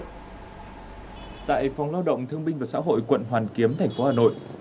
tại phòng lao động thương minh và xã hội quận hoàn kiếm thành phố hà nội